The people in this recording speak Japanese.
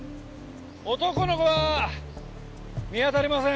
男の子は見当たりません。